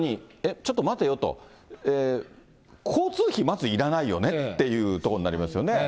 ちょっと待てよと、交通費、まずいらないよねっていうところになりますよね。